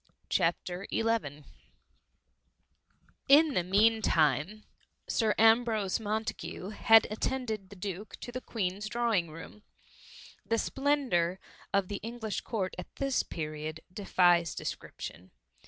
CHAPTER XI, In the mean time, Sir Ambrose Montagu had attended the Duke to the Queens's drawing room. The splendour of the English Court at this period. defies description.